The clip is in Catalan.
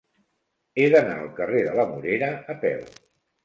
He d'anar al carrer de la Morera a peu.